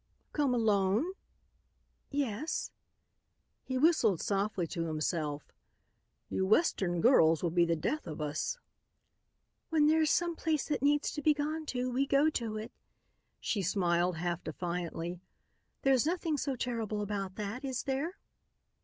"Come alone?" "Yes." He whistled softly to himself, "You western girls will be the death of us." "When there's some place that needs to be gone to we go to it," she smiled half defiantly. "There's nothing so terrible about that, is there?"